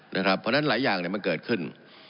เพราะฉะนั้นหลายอย่างมันเกิดขึ้น